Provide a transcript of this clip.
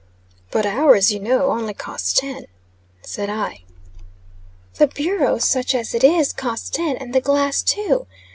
"But ours, you know, only cost ten," said I. "The bureau, such as it is, cost ten, and the glass two.